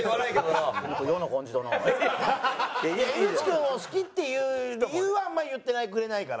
井口君を好きっていう理由はあんまり言ってくれないから。